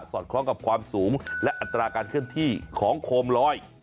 อดคล้องกับความสูงและอัตราการเคลื่อนที่ของโคมลอย